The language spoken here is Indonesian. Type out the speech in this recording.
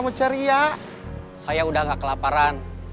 berapa uang yang kecopetan